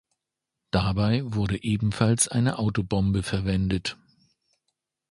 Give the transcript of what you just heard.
Dabei wurde ebenfalls eine Autobombe verwendet.